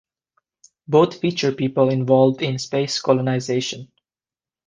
Both feature people involved in space colonization.